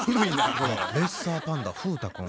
レッサーパンダ風太くん。